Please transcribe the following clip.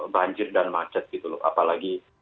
banjir dan macet gitu loh apalagi